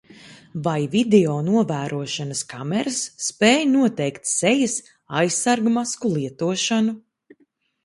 Vai videonovērošanas kameras spēj noteikt sejas aizsargmasku lietošanu?